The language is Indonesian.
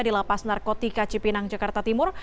di lapas narkotika cipinang jakarta timur